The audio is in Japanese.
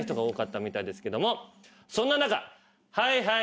そんな中。